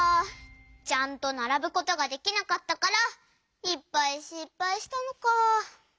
ちゃんとならぶことができなかったからいっぱいしっぱいしたのか。